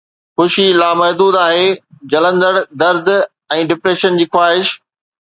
خوشي لامحدود آهي، جلندڙ درد ۽ ڊپريشن جي خواهش